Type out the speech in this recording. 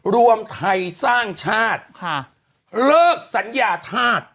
รวมไทยสร้างชาติเลิกสัญญาธาตุ